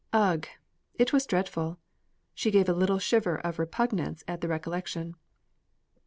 Ugh! It was dreadful!" She gave a little shiver of repugnance at the recollection.